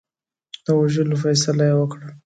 د وژلو فیصله یې وکړه.